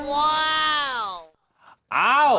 ว้าว